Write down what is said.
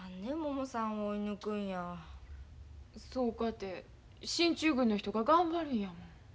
そうかて進駐軍の人が頑張るんやもん。